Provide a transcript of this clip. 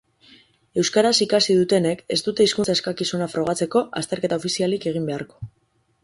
Euskaraz ikasi dutenek ez dute hizkuntza-eskakizuna frogatzeko azterketa ofizialik egin beharko.